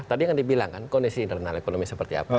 tadi kan dibilang kan kondisi internal ekonomi seperti apa